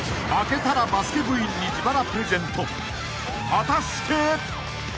［果たして？］